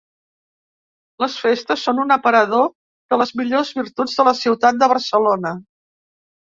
Les festes són un aparador de les millors virtuts de la ciutat de Barcelona.